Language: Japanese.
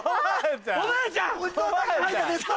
おばあちゃん！